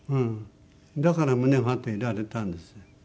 だから胸を張っていられたんです。